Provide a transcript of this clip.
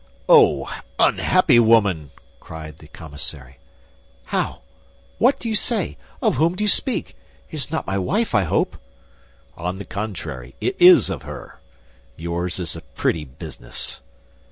"Oh, unhappy woman!" cried the commissary. "How? What do you say? Of whom do you speak? It is not of my wife, I hope!" "On the contrary, it is of her. Yours is a pretty business."